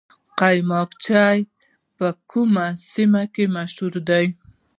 قیماق چای په کومو سیمو کې مشهور دی؟